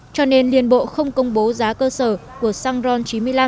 cho nên liên bộ không công bố giá cơ sở của xăng ron chín mươi năm